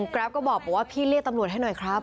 แกรฟก็บอกว่าพี่เรียกตำรวจให้หน่อยครับ